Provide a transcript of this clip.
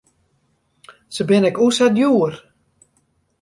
Se binne ek o sa djoer.